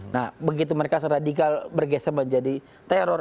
nah begitu mereka seradikal bergeser menjadi teror